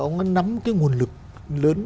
nó nắm cái nguồn lực lớn